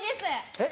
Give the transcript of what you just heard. えっ？